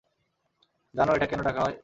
জানো এটা কেন ডাকা হয়?